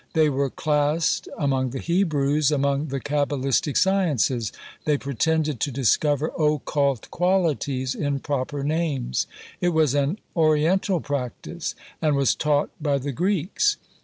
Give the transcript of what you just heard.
They were classed, among the Hebrews, among the cabalistic sciences; they pretended to discover occult qualities in proper names; it was an oriental practice; and was caught by the Greeks.